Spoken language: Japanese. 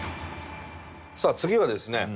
さあ次はですね